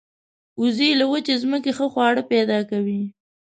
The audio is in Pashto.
وزې له وچې ځمکې ښه خواړه پیدا کوي